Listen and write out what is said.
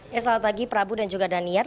ya selamat pagi prabu dan juga daniar